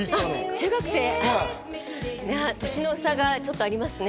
中学生？年の差がちょっとありますね。